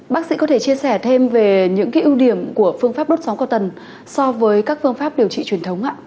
bác sĩ có thể chia sẻ thêm về những ưu điểm của phương pháp đốt sóng cao tần so với các phương pháp điều trị truyền thống ạ